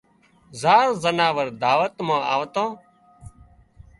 زار زناور دعوت مان آوتان